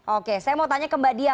oke saya mau tanya ke mbak dia